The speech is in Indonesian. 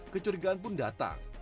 kecurigaan pun datang